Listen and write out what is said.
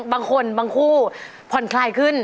บางคนบางคู่ผ่อนคลายขึ้น